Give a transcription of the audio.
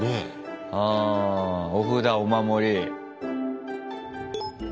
あお札お守り。